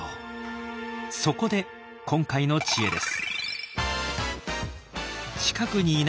そこで今回の知恵です。